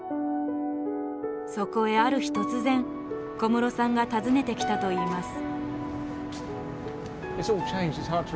そこへある日突然小室さんが訪ねてきたといいます。